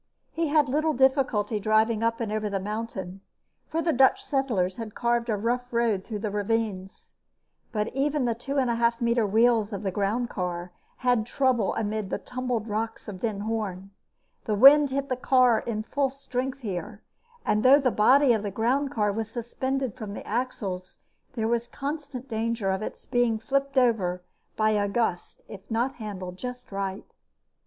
He had little difficulty driving up and over the mountain, for the Dutch settlers had carved a rough road through the ravines. But even the 2 1/2 meter wheels of the groundcar had trouble amid the tumbled rocks of Den Hoorn. The wind hit the car in full strength here and, though the body of the groundcar was suspended from the axles, there was constant danger of its being flipped over by a gust if not handled just right.